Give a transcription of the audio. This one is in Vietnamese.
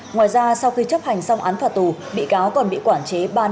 ngoài ra sau khi chấp hành xong án phạt tù bị cáo còn bị quản chế ba năm tại địa phương